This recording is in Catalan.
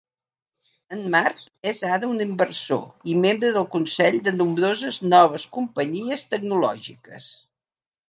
En Mark és ara un inversor i membre del consell de nombroses noves companyies tecnològiques.